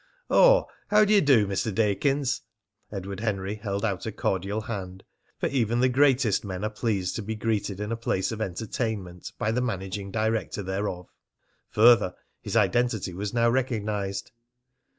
"Oh! How d'ye do, Mr. Dakins?" Edward Henry held out a cordial hand, for even the greatest men are pleased to be greeted in a place of entertainment by the managing director thereof. Further, his identity was now recognised.